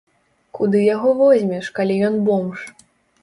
Куды яго возьмеш, калі ён бомж?